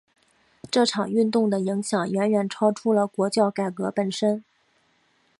这场运动的影响远远超出了国教改革本身。